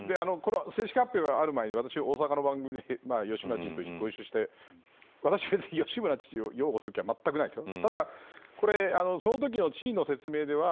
正式発表がある前に、大阪の番組で吉村知事とご一緒して私、吉村知事を擁護する気はまったくないですよ